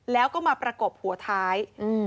แล้วก็มาประกบหัวท้าย